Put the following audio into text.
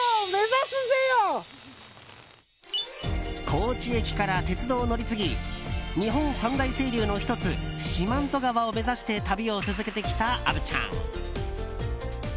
高知駅から鉄道を乗り継ぎ日本三大清流の１つ四万十川を目指して旅を続けてきた虻ちゃん。